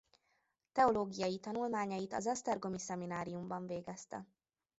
Teológiai tanulmányait az esztergomi szemináriumban végezte.